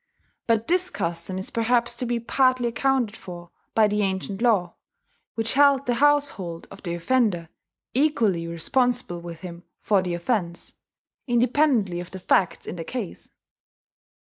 But this custom is perhaps to be partly accounted for by the ancient law, which held the household of the offender equally responsible with him for the offence, independently of the facts in the case.